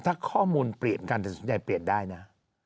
ถ้าข้อมูลเปลี่ยนการตัดสินใจเปลี่ยนได้นะ